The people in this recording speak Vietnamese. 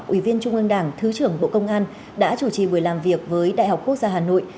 ủy viên trung ương đảng thứ trưởng bộ công an đã chủ trì buổi làm việc với đại học quốc gia hà nội